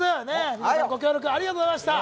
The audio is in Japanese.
皆さん、ご協力ありがとうございました。